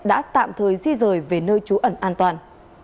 đã tạm thời di rời về nơi trú ẩn an toàn